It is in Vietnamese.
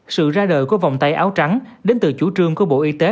sự ra đời của vòng tay áo trắng đến từ chủ trương của bộ y tế